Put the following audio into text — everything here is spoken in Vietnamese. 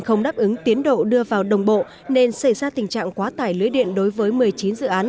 không đáp ứng tiến độ đưa vào đồng bộ nên xảy ra tình trạng quá tải lưới điện đối với một mươi chín dự án